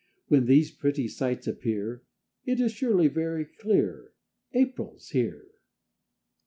When these pretty sights appear, It is surely very clear April's here!